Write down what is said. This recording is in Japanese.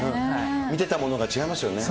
見てたものが違いましたよね。